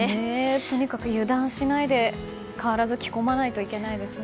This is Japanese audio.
とにかく油断しないで変わらず着込まないといけないですね。